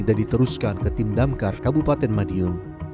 dan diteruskan ke tim damkar kabupaten madiun